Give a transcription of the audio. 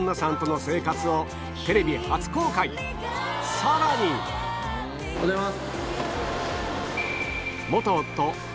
さらにおはようございます。